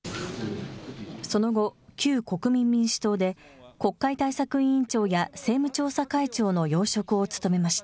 その後、旧国民民主党で、国会対策委員長や政務調査会長の要職を務めました。